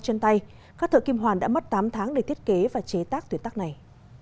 trên tay các thợ kim hoàn đã mất tám tháng để thiết kế và chế tác tuyệt tác này